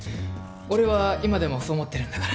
俺は今でもそう思ってるんだから。